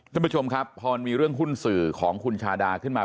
ท่านผู้ชมครับพอมันมีเรื่องหุ้นสื่อของคุณชาดาขึ้นมา